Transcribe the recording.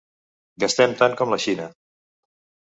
Gastem tant com la Xina.